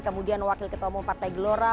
kemudian wakil ketua umum partai gelora